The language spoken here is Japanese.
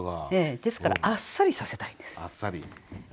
ですからあっさりさせたいんです。